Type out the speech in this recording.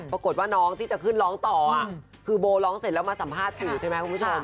ปรากฏว่าน้องที่จะขึ้นร้องต่อคือโบร้องเสร็จแล้วมาสัมภาษณ์สื่อใช่ไหมคุณผู้ชม